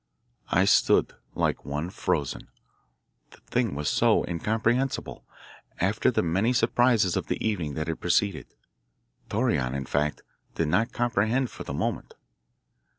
I stood like one frozen, the thing was so incomprehensible, after the many surprises of the evening that had preceded. Torreon, in fact, did not comprehend for the moment.